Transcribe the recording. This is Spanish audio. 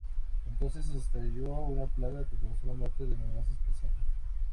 Entonces estalló una plaga que causó la muerte de numerosas personas.